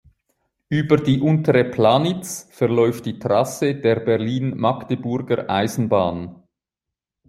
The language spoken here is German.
Über die Untere Planitz verläuft die Trasse der "Berlin-Magdeburger Eisenbahn".